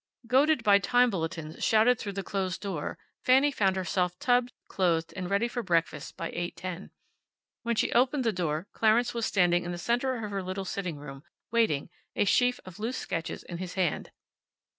Goaded by time bulletins shouted through the closed door, Fanny found herself tubbed, clothed, and ready for breakfast by eight ten. When she opened the door Clarence was standing in the center of her little sitting room, waiting, a sheaf of loose sketches in his hand.